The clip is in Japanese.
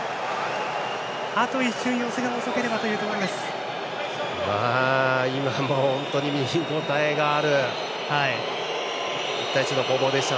あと一瞬、寄せが遅ければというところでした。